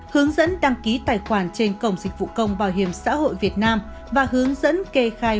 hướng dẫn đăng ký tài khoản trên cổng dịch vụ công bảo hiểm xã hội việt nam và hướng dẫn kê khai